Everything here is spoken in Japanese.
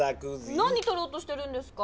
なにとろうとしてるんですか！